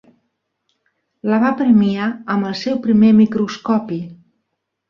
La va premiar amb el seu primer microscopi.